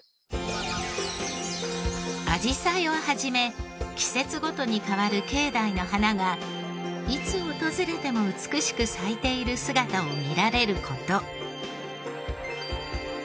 あじさいを始め季節ごとに変わる境内の花がいつ訪れても美しく咲いている姿を見られる事。